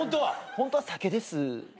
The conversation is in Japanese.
ホントは酒です。